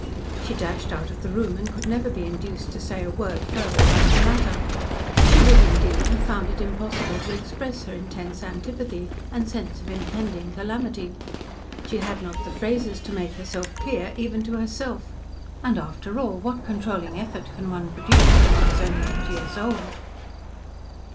She dashed out of the room, and could never be induced to say a word further about the matter. She would indeed have found it impossible to express her intense antipathy and sense of impending calamity. She had not the phrases to make herself clear even to herself, and after all what controlling effort can one produce when one is only eight years old?